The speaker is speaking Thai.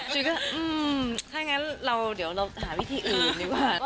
ฉันก็อืมถ้างั้นเดี๋ยวเราหาวิธีอื่นดีกว่า